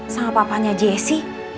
sama papanya jesse